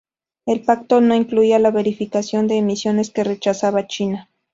El pacto no incluía la verificación de emisiones que rechazaba China.